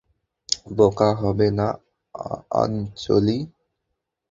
বোকা হবে না আঞ্জলি।